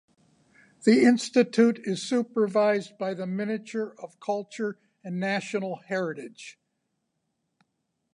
The Institute is supervised by the Minister of Culture and National Heritage.